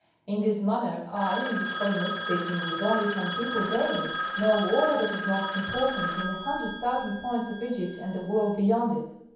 In this manner I and his holiness speaking with only ten people daily know all that is most important in a hundred thousand points of Egypt and the world beyond it.